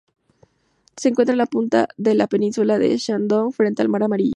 Se encuentra en la punta de la península de Shandong, frente al Mar Amarillo.